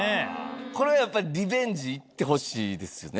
これはやっぱリベンジ行ってほしいですね。